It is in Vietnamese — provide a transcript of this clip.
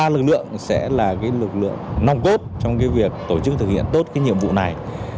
lực lượng sẽ là cái lực lượng nong cốt trong cái việc tổ chức thực hiện tốt cái nhiệm vụ này